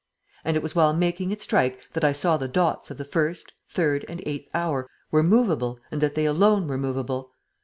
And it was while making it strike that I saw the dots of the first, third and eighth hour were movable and that they alone were movable.